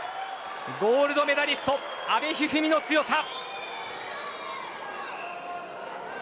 ゴールドメダリスト阿部一二三の強さ。